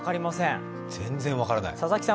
全然分からない。